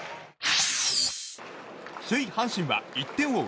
首位、阪神は１点を追う